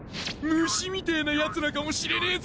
虫みてぇなヤツらかもしれねえぞ。